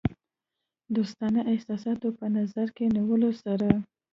دوستانه احساساتو په نظر کې نیولو سره.